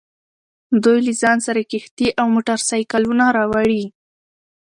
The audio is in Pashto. دوی له ځان سره کښتۍ او موټر سایکلونه راوړي